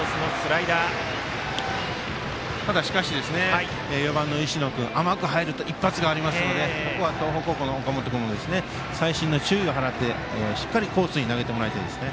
しかし、４番の石野君甘く入ると一発がありますのでここは東邦高校の岡本君細心の注意を払って、しっかりコースに投げてもらいたいですね。